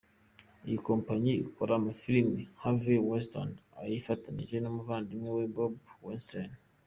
Iyi kompanyi ikora amafilime Harvey Weinstein ayifatanyije n’umuvandimwe we Bob Weinstein.